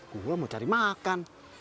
gue mau cari makan